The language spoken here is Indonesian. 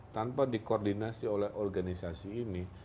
tanpa dikoordinasi oleh organisasi ini